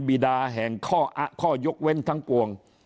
บีดาแห่งข้อยกเว้นทั้งปวง